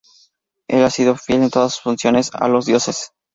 Él ha sido fiel en todas sus funciones a los dioses.